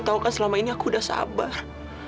tau kan selama ini aku udah sabar